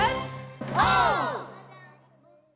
オー！